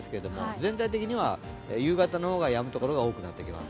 全体的には夕方の方がやむところが多くなっていきます。